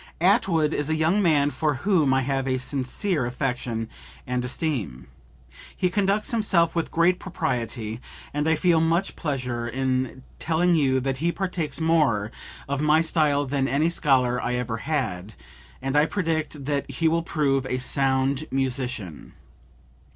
"Attwood is a young man for whom I have a sincere affection and esteem; he conducts himself with great propriety, and I feel much pleasure in telling you that he partakes more of my style than any scholar I ever had, and I predict that he will prove a sound musician."